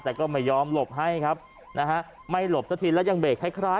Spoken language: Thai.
แต่ก็ไม่ยอมหลบให้ครับนะฮะไม่หลบสักทีแล้วยังเบรกคล้ายคล้าย